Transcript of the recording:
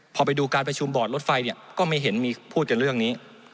พอไปดูการประชุมบอร์ดรถไฟเนี่ยก็ไม่เห็นมีพูดกันเรื่องนี้